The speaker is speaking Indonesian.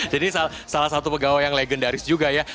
jadi salah satu pegawai yang legendaris juga ya